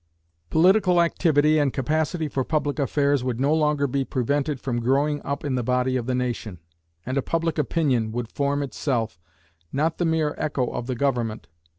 Political activity and capacity for public affairs would no longer be prevented from growing up in the body of the nation, and a public opinion would form itself, not the mere echo of the government.